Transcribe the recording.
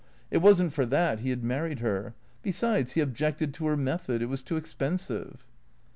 It was n't for that he had married her. Besides, he objected to her method. It was too expensive.